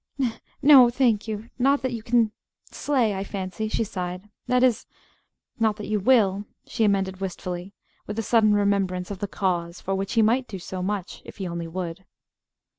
"N no, thank you; not that you can slay, I fancy," she sighed. "That is not that you will," she amended wistfully, with a sudden remembrance of the Cause, for which he might do so much if he only would.